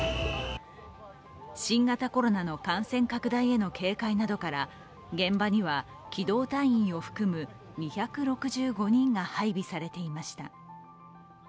新型コロナの感染拡大への警戒などから現場には機動隊員を含む２６５人が配備されていました。